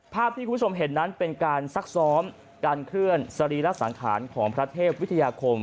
ภาพที่คุณผู้ชมเห็นนั้นเป็นการซักซ้อมการเคลื่อนสรีระสังขารของพระเทพวิทยาคม